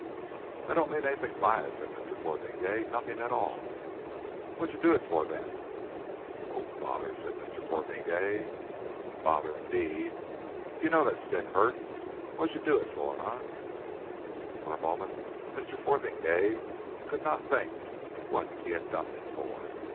"I don't mean anything by it," said Mr. Fotheringay. "Nothing at all." "What d'yer do it for then?" "Oh, bother!" said Mr. Fotheringay. "Bother indeed! D'yer know that stick hurt? What d'yer do it for, eh?" For the moment Mr. Fotheringay could not think what he had done it for.